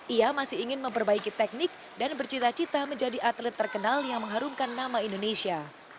ia masih ingin memperbaiki teknik dan bercita cita menjadi atlet terkenal yang mengharumkan nama indonesia